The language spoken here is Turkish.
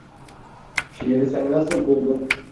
Şiiri sen nasıl buldun?